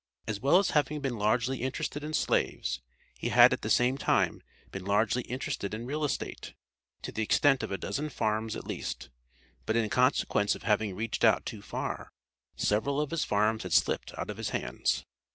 As well as having been largely interested in slaves, he had at the same time been largely interested in real estate, to the extent of a dozen farms at least. But in consequence of having reached out too far, several of his farms had slipped out of his hands.